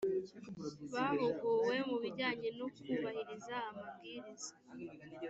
bahuguwe mu bijyanye no kubahiriza amabwiriza